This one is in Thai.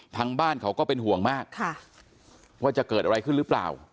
ทางบ้านเขาก็เป็นห่วงมากว่าจะเกิดอะไรขึ้นหรือเปล่า